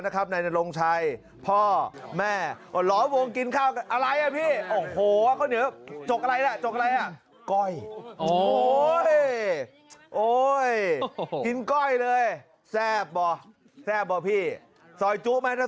ก้อยโอ้ยโอ้ยกินก้อยเลยแซ่บบ่แซ่บบ่พี่ซอยจุ๊ไหมถ้า